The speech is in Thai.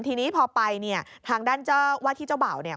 ทีนี้พอไปเนี่ยทางด้านว่าที่เจ้าเบาเนี่ย